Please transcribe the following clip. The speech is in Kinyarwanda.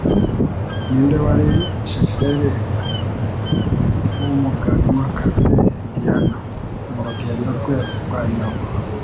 Ninde wari Chauffer wumuganwakazi Diana murugendo rwe rwanyuma